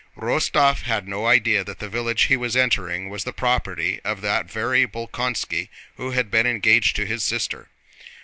Rostóv had no idea that the village he was entering was the property of that very Bolkónski who had been engaged to his sister.